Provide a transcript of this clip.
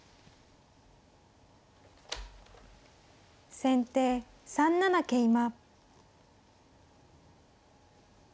先手３七桂馬。